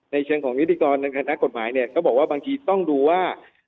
เชิงของนิติกรในคณะกฎหมายเนี่ยก็บอกว่าบางทีต้องดูว่า